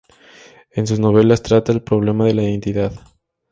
En sus novelas trata el problema de la identidad.